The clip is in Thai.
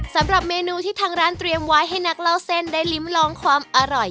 สำหรับเมนูที่ทางร้านเตรียมไว้ให้นักเล่าเส้นได้ลิ้มลองความอร่อย